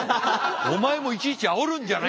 お前もいちいちあおるんじゃない。